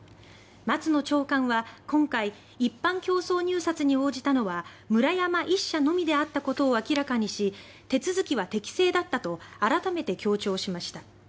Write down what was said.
松野長官は今回一般競争入札に応じたのはムラヤマ１社のみであったことを明らかにし手続きは適正だったと改めて強調しました。